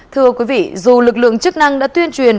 thưa quý vị dù lực lượng chức năng đã tuyên truyền